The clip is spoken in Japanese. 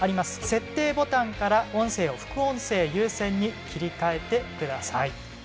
設定ボタンから音声を副音声優先に切り替えてください。